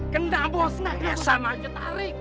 kena bos nah kesana aja tarik